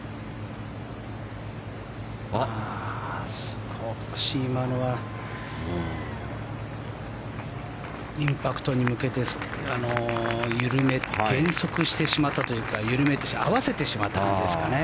少し今のはインパクトに向けて減速してしまったというか合わせてしまった感じですかね。